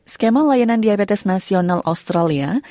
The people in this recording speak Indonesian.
skema layanan diabetes nasional australia